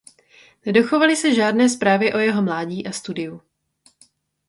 Nedochovaly se žádné zprávy o jeho mládí a studiu.